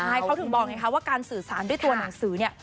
ใช่เขาถึงบอกไงคะว่าการสื่อสารด้วยตัวหนังสือเนี่ย